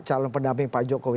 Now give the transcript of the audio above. calon pendamping pak jokowi